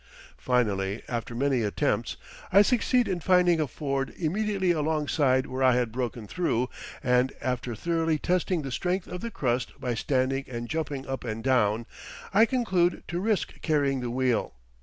Finally, after many attempts, I succeed in finding a ford immediately alongside where I had broken through, and after thoroughly testing the strength of the crust by standing and jumping up and down, I conclude to risk carrying the wheel.